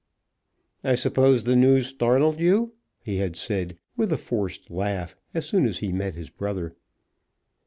"I suppose the news startled you?" he had said, with a forced laugh, as soon as he met his brother.